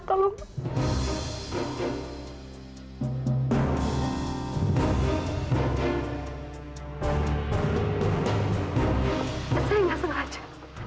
saya gak sengaja